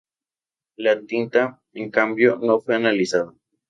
La tinta, en cambio, no fue analizada.